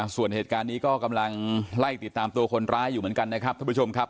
ส่วนเหตุการณ์นี้ก็กำลังไล่ติดตามตัวคนร้ายอยู่เหมือนกันนะครับท่านผู้ชมครับ